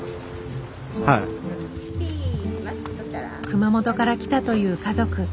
熊本から来たという家族。